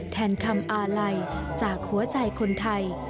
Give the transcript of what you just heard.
แทนคำอาลัยจากหัวใจคนไทย